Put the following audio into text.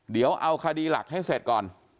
เดี๋ยวเอาคดีหลักให้เสร็จก่อน